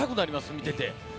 見てて。